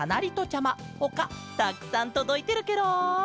ちゃまほかたくさんとどいてるケロ！